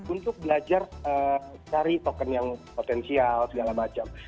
untuk belajar cari token yang potensial segala macam